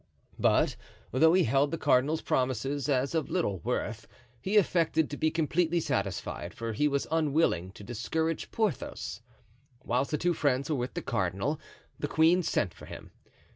But, though he held the cardinal's promises as of little worth, he affected to be completely satisfied, for he was unwilling to discourage Porthos. Whilst the two friends were with the cardinal, the queen sent for him.